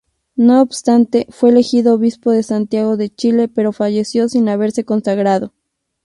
No obstante fue elegido obispo de Santiago de Chile, pero falleció sin haberse consagrado.